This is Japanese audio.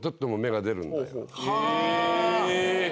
へえ！